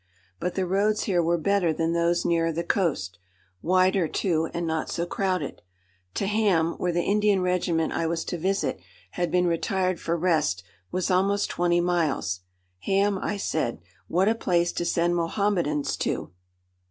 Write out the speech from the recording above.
But the roads here were better than those nearer the coast; wider, too, and not so crowded. To Ham, where the Indian regiment I was to visit had been retired for rest, was almost twenty miles. "Ham!" I said. "What a place to send Mohammedans to!"